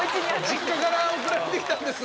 「実家から送られて来たんです」